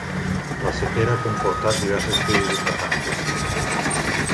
La sequera ha comportat diverses crisis de fam.